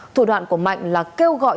thủ đoạn của mạnh là kêu gọi